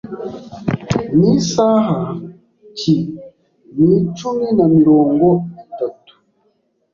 "Ni isaha ki Ni icumi na mirongo itatu."